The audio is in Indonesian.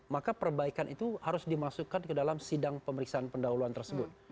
maka perbaikan itu harus dimasukkan ke dalam sidang pemeriksaan pendahuluan tersebut